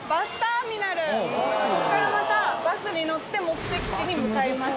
ここからまたバスに乗って目的地に向かいます。